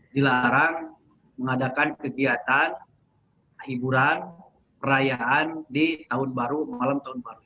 dilarang mengadakan kegiatan hiburan perayaan di tahun baru malam tahun baru